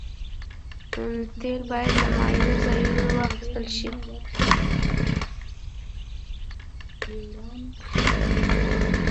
تیل باید له معياري ځایونو واخیستل شي.